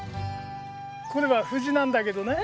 これはフジなんだけどね